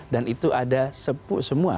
dan itu ada semua